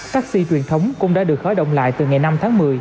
taxi truyền thống cũng đã được khởi động lại từ ngày năm tháng một mươi